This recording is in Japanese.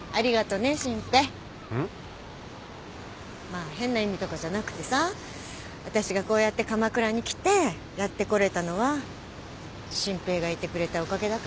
まあ変な意味とかじゃなくてさ私がこうやって鎌倉に来てやってこれたのは真平がいてくれたおかげだからさ。